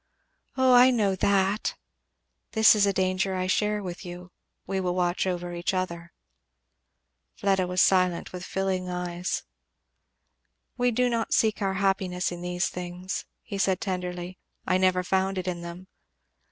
"Oh I know that!" "This is a danger I share with you. We will watch over each other." Fleda was silent with filling eyes. "We do not seek our happiness in these things," he said tenderly. "I never found it in them.